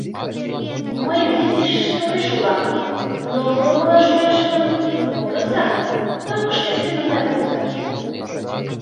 — Мый гын изиш тореш улам, но мурымыла шуэш гын, мурыза — только шке семында мурыза.